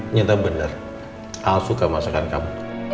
nyata bener al suka masakan kamu